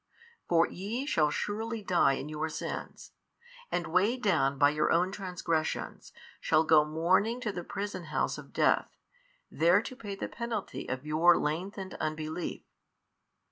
For ye shall surely die in your sins, and weighed down by your own transgressions, shall go mourning to the prison house of death, there to pay the penalty of your lengthened unbelief.